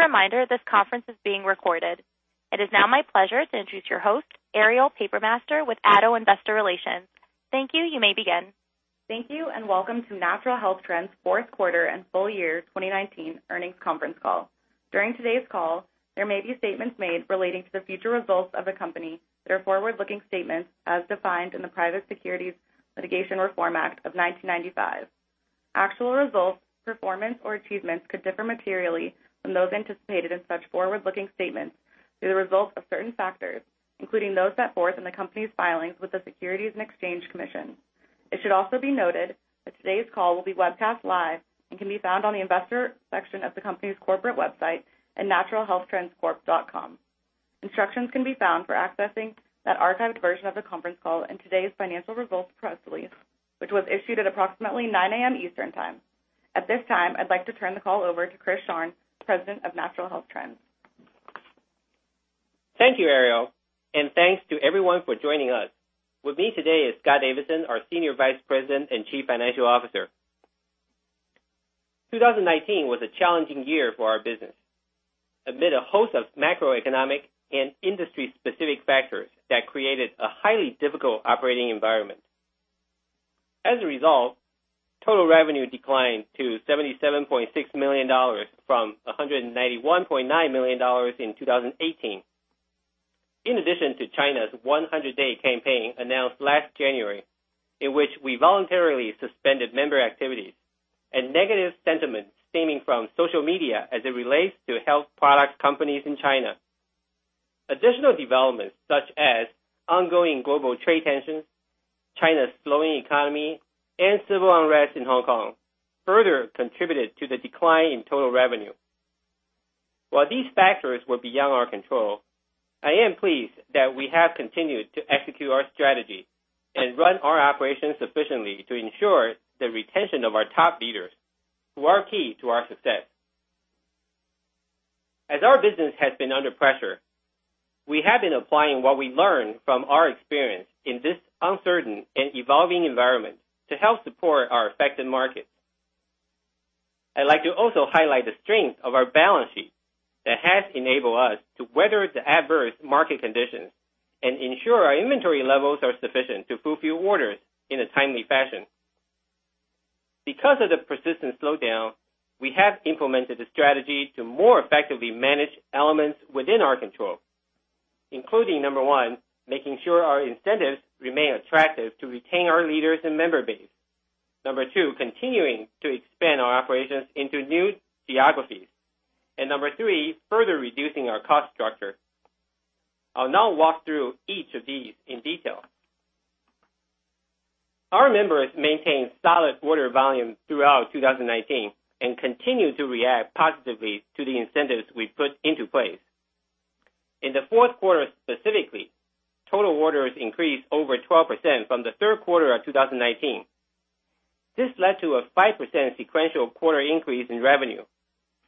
As a reminder, this conference is being recorded. It is now my pleasure to introduce your host, Ariel Papermaster, with Addo Investor Relations. Thank you. You may begin. Thank you, and welcome to Natural Health Trends' fourth quarter and full year 2019 earnings conference call. During today's call, there may be statements made relating to the future results of the company that are forward-looking statements as defined in the Private Securities Litigation Reform Act of 1995. Actual results, performance, or achievements could differ materially from those anticipated in such forward-looking statements due to the results of certain factors, including those set forth in the company's filings with the Securities and Exchange Commission. It should also be noted that today's call will be webcast live and can be found on the investor section of the company's corporate website at naturalhealthtrendscorp.com. Instructions can be found for accessing that archived version of the conference call in today's financial results press release, which was issued at approximately 9:00 A.M. Eastern Time. At this time, I'd like to turn the call over to Chris Sharng, President of Natural Health Trends. Thank you, Ariel, and thanks to everyone for joining us. With me today is Scott Davidson, our Senior Vice President and Chief Financial Officer. 2019 was a challenging year for our business, amid a host of macroeconomic and industry-specific factors that created a highly difficult operating environment. As a result, total revenue declined to $77.6 million from $191.9 million in 2018, in addition to China's 100-day campaign announced last January, in which we voluntarily suspended member activities, and negative sentiments stemming from social media as it relates to health product companies in China. Additional developments such as ongoing global trade tensions, China's slowing economy, and civil unrest in Hong Kong further contributed to the decline in total revenue. While these factors were beyond our control, I am pleased that we have continued to execute our strategy and run our operations sufficiently to ensure the retention of our top leaders who are key to our success. As our business has been under pressure, we have been applying what we learned from our experience in this uncertain and evolving environment to help support our affected markets. I'd like to also highlight the strength of our balance sheet that has enabled us to weather the adverse market conditions and ensure our inventory levels are sufficient to fulfill orders in a timely fashion. Because of the persistent slowdown, we have implemented a strategy to more effectively manage elements within our control, including, number one, making sure our incentives remain attractive to retain our leaders and member base. Number two, continuing to expand our operations into new geographies. Number three, further reducing our cost structure. I'll now walk through each of these in detail. Our members maintained solid order volumes throughout 2019 and continued to react positively to the incentives we put into place. In the fourth quarter specifically, total orders increased over 12% from the third quarter of 2019. This led to a 5% sequential quarter increase in revenue,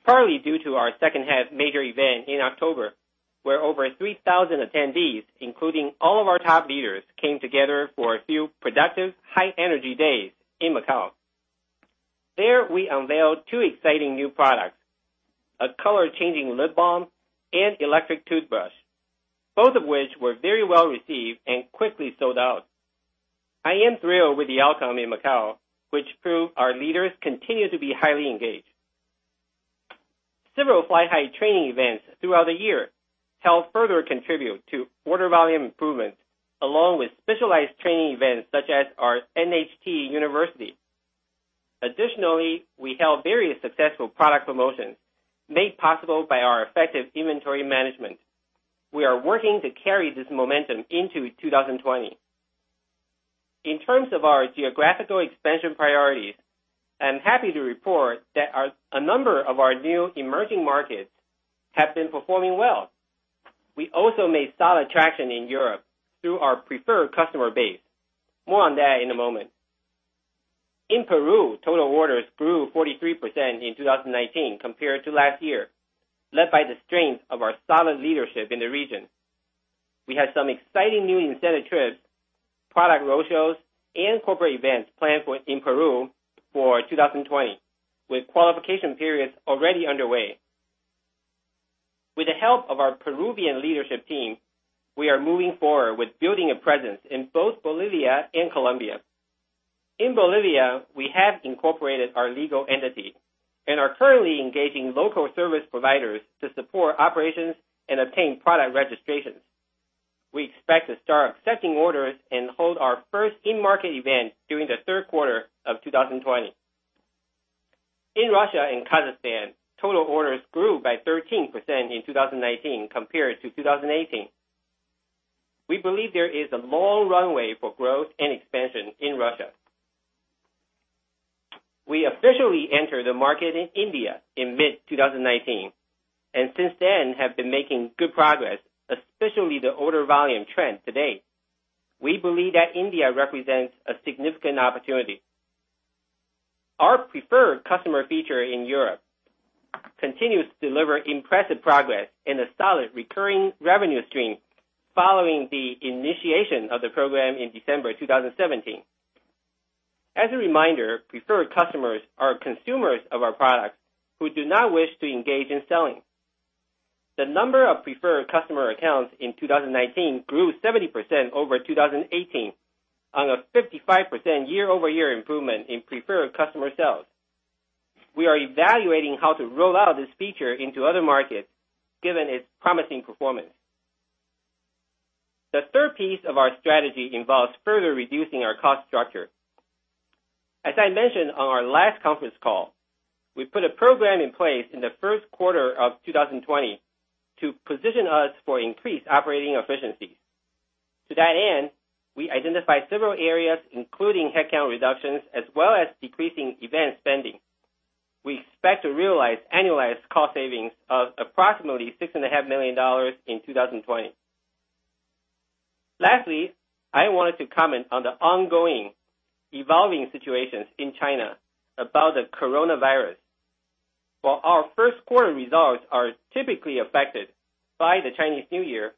partly due to our second-half major event in October, where over 3,000 attendees, including all of our top leaders, came together for a few productive, high-energy days in Macau. There, we unveiled two exciting new products, a color-changing lip balm and electric toothbrush, both of which were very well-received and quickly sold out. I am thrilled with the outcome in Macau, which proved our leaders continue to be highly engaged. Several Fly High training events throughout the year helped further contribute to order volume improvements along with specialized training events such as our NHT University. Additionally, we held various successful product promotions made possible by our effective inventory management. We are working to carry this momentum into 2020. In terms of our geographical expansion priorities, I'm happy to report that a number of our new emerging markets have been performing well. We also made solid traction in Europe through our preferred customer base. More on that in a moment. In Peru, total orders grew 43% in 2019 compared to last year, led by the strength of our solid leadership in the region. We have some exciting new incentive trips, product roadshows, and corporate events planned in Peru for 2020, with qualification periods already underway. With the help of our Peruvian leadership team, we are moving forward with building a presence in both Bolivia and Colombia. In Bolivia, we have incorporated our legal entity and are currently engaging local service providers to support operations and obtain product registrations. We expect to start accepting orders and hold our first in-market event during the third quarter of 2020. In Russia and Kazakhstan, total orders grew by 13% in 2019 compared to 2018. We believe there is a long runway for growth and expansion in Russia. We officially entered the market in India in mid-2019, and since then have been making good progress, especially the order volume trend to date. We believe that India represents a significant opportunity. Our preferred customer feature in Europe continues to deliver impressive progress and a solid recurring revenue stream following the initiation of the program in December 2017. As a reminder, preferred customers are consumers of our products who do not wish to engage in selling. The number of preferred customer accounts in 2019 grew 70% over 2018, on a 55% year-over-year improvement in preferred customer sales. We are evaluating how to roll out this feature into other markets given its promising performance. The third piece of our strategy involves further reducing our cost structure. As I mentioned on our last conference call, we put a program in place in the first quarter of 2020 to position us for increased operating efficiencies. To that end, we identified several areas, including headcount reductions, as well as decreasing event spending. We expect to realize annualized cost savings of approximately $6.5 million in 2020. Lastly, I wanted to comment on the ongoing evolving situations in China about the coronavirus. While our first quarter results are typically affected by the Chinese New Year,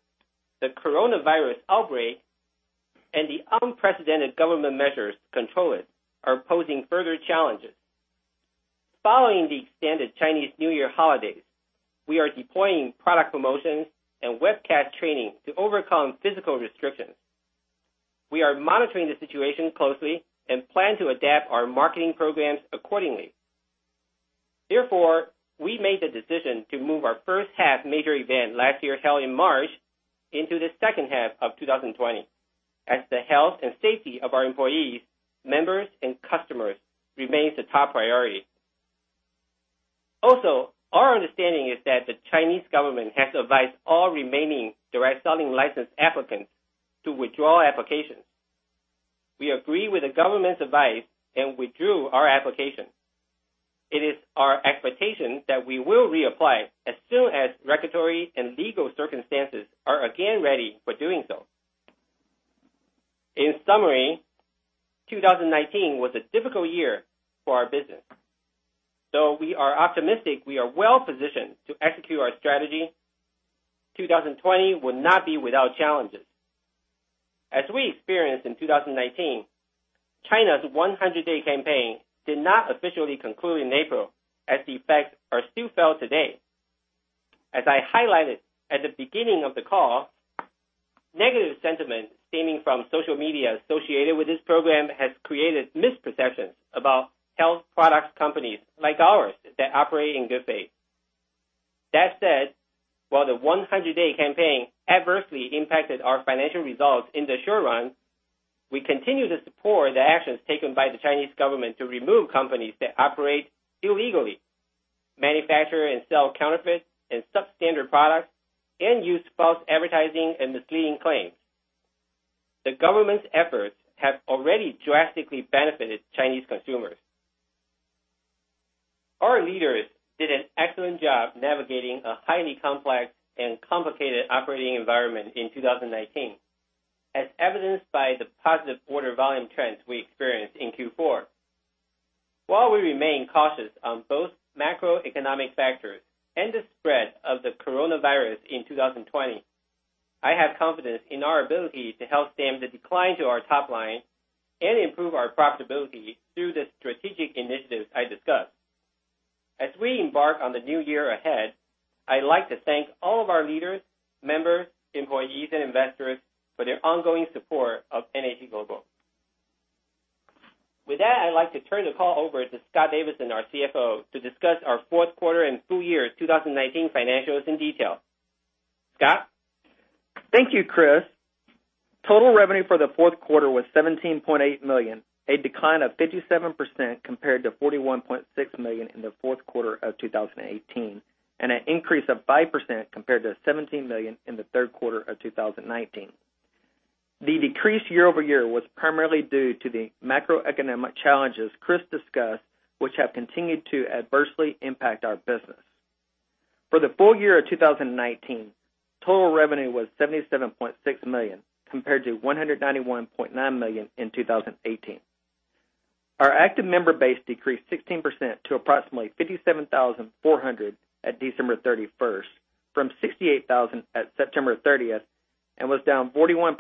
the coronavirus outbreak and the unprecedented government measures to control it are posing further challenges. Following the extended Chinese New Year holidays, we are deploying product promotions and webcast training to overcome physical restrictions. We are monitoring the situation closely and plan to adapt our marketing programs accordingly. Therefore, we made the decision to move our first half major event, last year held in March, into the second half of 2020, as the health and safety of our employees, members, and customers remains the top priority. Also, our understanding is that the Chinese government has advised all remaining direct selling license applicants to withdraw applications. We agree with the government's advice and withdraw our application. It is our expectation that we will reapply as soon as regulatory and legal circumstances are again ready for doing so. In summary, 2019 was a difficult year for our business. Though we are optimistic we are well-positioned to execute our strategy, 2020 will not be without challenges. As we experienced in 2019, China's 100-day campaign did not officially conclude in April as the effects are still felt today. As I highlighted at the beginning of the call, negative sentiment stemming from social media associated with this program has created misperceptions about health products companies like ours that operate in good faith. That said, while the 100-day campaign adversely impacted our financial results in the short run, we continue to support the actions taken by the Chinese government to remove companies that operate illegally, manufacture and sell counterfeit and substandard products, and use false advertising and misleading claims. The government's efforts have already drastically benefited Chinese consumers. Our leaders did an excellent job navigating a highly complex and complicated operating environment in 2019, as evidenced by the positive order volume trends we experienced in Q4. While we remain cautious on both macroeconomic factors and the spread of the coronavirus in 2020, I have confidence in our ability to help stem the decline to our top line and improve our profitability through the strategic initiatives I discussed. As we embark on the new year ahead, I'd like to thank all of our leaders, members, employees and investors for their ongoing support of NHT Global. With that, I'd like to turn the call over to Scott Davidson, our CFO, to discuss our fourth quarter and full year 2019 financials in detail. Scott? Thank you, Chris. Total revenue for the fourth quarter was $17.8 million, a decline of 57% compared to $41.6 million in the fourth quarter of 2018, and an increase of 5% compared to $17 million in the third quarter of 2019. The decrease year-over-year was primarily due to the macroeconomic challenges Chris discussed, which have continued to adversely impact our business. For the full year of 2019, total revenue was $77.6 million, compared to $191.9 million in 2018. Our active member base decreased 16% to approximately 57,400 at December 31st, from 68,000 at September 30th, and was down 41%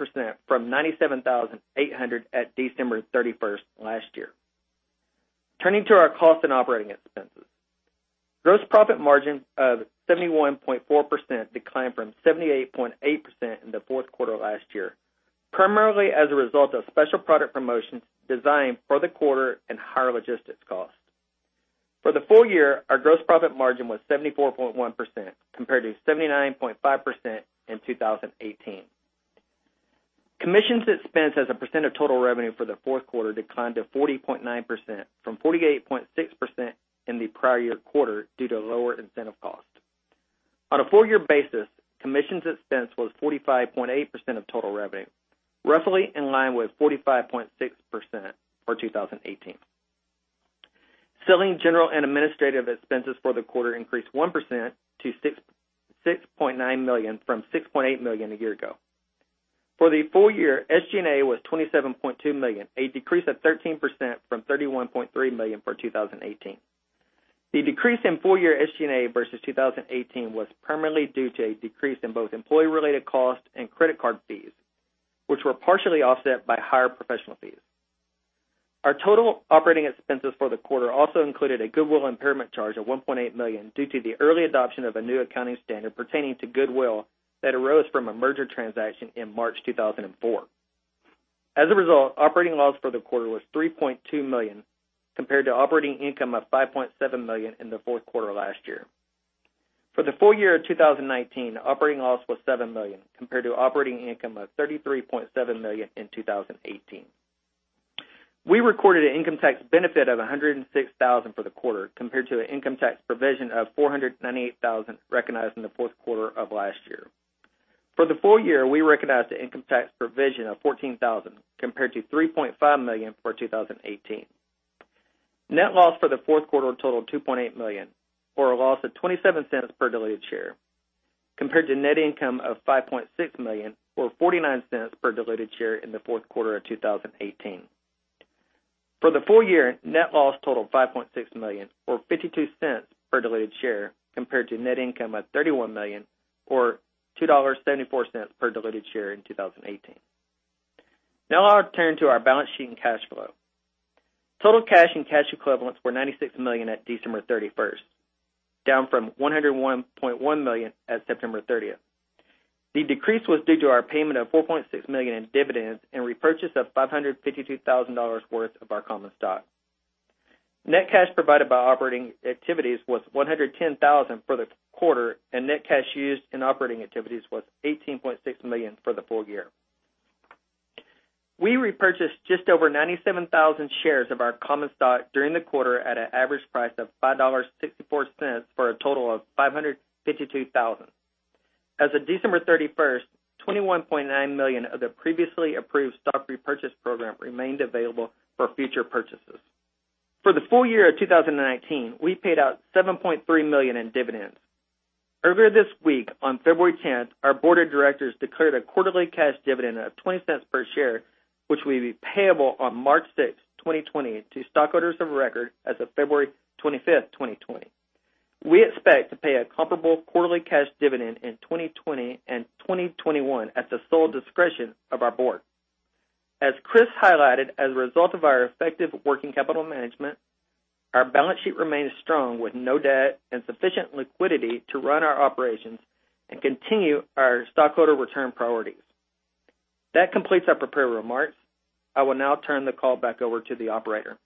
from 97,800 at December 31st last year. Turning to our cost and operating expenses. Gross profit margin of 71.4% declined from 78.8% in the fourth quarter last year, primarily as a result of special product promotions designed for the quarter and higher logistics costs. For the full year, our gross profit margin was 74.1%, compared to 79.5% in 2018. Commissions expense as a percent of total revenue for the fourth quarter declined to 40.9%, from 48.6% in the prior year quarter due to lower incentive costs. On a full year basis, commissions expense was 45.8% of total revenue, roughly in line with 45.6% for 2018. Selling, general, and administrative expenses for the quarter increased 1% to $6.9 million from $6.8 million a year ago. For the full year, SG&A was $27.2 million, a decrease of 13% from $31.3 million for 2018. The decrease in full-year SG&A versus 2018 was primarily due to a decrease in both employee-related costs and credit card fees, which were partially offset by higher professional fees. Our total operating expenses for the quarter also included a goodwill impairment charge of $1.8 million due to the early adoption of a new accounting standard pertaining to goodwill that arose from a merger transaction in March 2004. As a result, operating loss for the quarter was $3.2 million, compared to operating income of $5.7 million in the fourth quarter last year. For the full year of 2019, operating loss was $7 million, compared to operating income of $33.7 million in 2018. We recorded an income tax benefit of $106,000 for the quarter, compared to an income tax provision of $498,000 recognized in the fourth quarter of last year. For the full year, we recognized an income tax provision of $14,000, compared to $3.5 million for 2018. Net loss for the fourth quarter totaled $2.8 million, or a loss of $0.27 per diluted share, compared to net income of $5.6 million, or $0.49 per diluted share in the fourth quarter of 2018. For the full year, net loss totaled $5.6 million, or $0.52 per diluted share, compared to net income of $31 million, or $2.74 per diluted share in 2018. I'll turn to our balance sheet and cash flow. Total cash and cash equivalents were $96 million at December 31st, down from $101.1 million at September 30th. The decrease was due to our payment of $4.6 million in dividends and repurchase of $552,000 worth of our common stock. Net cash provided by operating activities was $110,000 for the quarter, and net cash used in operating activities was $18.6 million for the full year. We repurchased just over 97,000 shares of our common stock during the quarter at an average price of $5.64, for a total of $552,000. As of December 31st, $21.9 million of the previously approved stock repurchase program remained available for future purchases. For the full year of 2019, we paid out $7.3 million in dividends. Earlier this week, on February 10th, our board of directors declared a quarterly cash dividend of $0.20 per share, which will be payable on March 6th, 2020 to stockholders of record as of February 25th, 2020. We expect to pay a comparable quarterly cash dividend in 2020 and 2021 at the sole discretion of our board. As Chris highlighted, as a result of our effective working capital management, our balance sheet remains strong, with no debt and sufficient liquidity to run our operations and continue our stockholder return priorities. That completes our prepared remarks. I will now turn the call back over to the operator.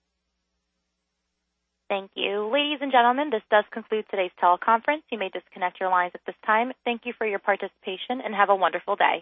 Thank you. Ladies and gentlemen, this does conclude today's teleconference. You may disconnect your lines at this time. Thank you for your participation, and have a wonderful day.